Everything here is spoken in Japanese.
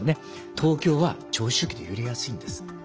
東京は長周期で揺れやすいんです。